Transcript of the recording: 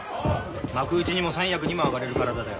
幕内にも三役にも上がれる体だよ。